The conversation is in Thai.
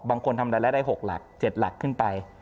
บางคนทำรายได้๖หลัก๗หลักขึ้นไป